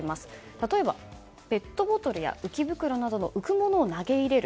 例えば、ペットボトルや浮き袋などの浮くものを投げ入れる。